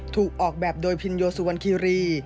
ถูกออกแบบโดยพินโยสุวรรณคีรี